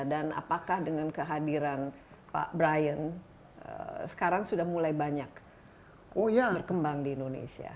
dan apakah dengan kehadiran pak brian sekarang sudah mulai banyak berkembang di indonesia